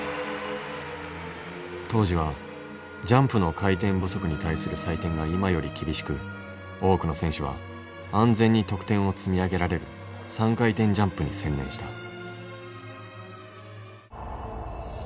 当時はジャンプの回転不足に対する採点が今より厳しく多くの選手は安全に得点を積み上げられる３回転ジャンプに専念した。